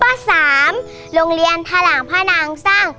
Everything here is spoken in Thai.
๓โรงเรียนพลังพระนางสร้าง